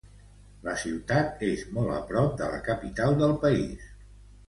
La ciutat és molt a prop de la capital del país.